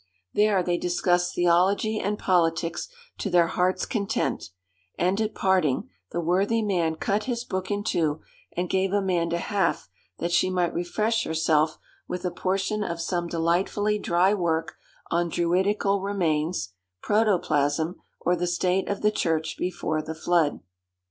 There they discussed theology and politics to their hearts' content, and at parting the worthy man cut his book in two, and gave Amanda half that she might refresh herself with a portion of some delightfully dry work on Druidical Remains, Protoplasm, or the state of the church before the flood.